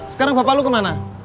sekarang bapak lu kemana